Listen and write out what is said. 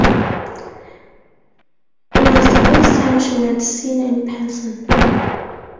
It was the first time she met Cena in person.